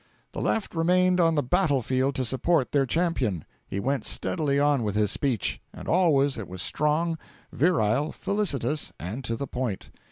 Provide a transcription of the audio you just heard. The Left remained on the battle field to support their champion. He went steadily on with his speech; and always it was strong, virile, felicitous, and to the point.